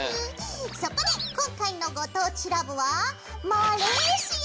そこで今回の「ご当地ＬＯＶＥ」はマレーシア！